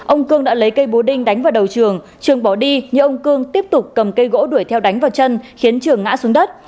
ông cương đã lấy cây bú đinh đánh vào đầu trường trường bỏ đi nhưng ông cương tiếp tục cầm cây gỗ đuổi theo đánh vào chân khiến trường ngã xuống đất